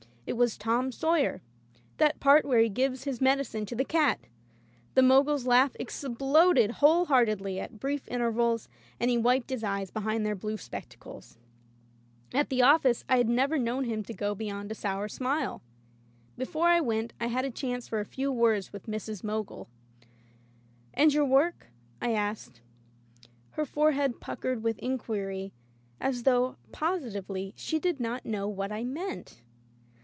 It was "Tom Sawyer," that part where he gives his medi cine to the cat. The Mogul's laugh exploded whole heartedly, at brief intervals, and he wiped his eyes behind their blue spectacles. At the office, I had never known him to go beyond a sour smile. Before I went I had a chance for a few words with Mrs. Mogul. [ 250 ] Digitized by LjOOQ IC E. Holbrookes Patience And your work ?" I asked. Her forehead puckered with inquiry as though, positively, she did not know what I meant.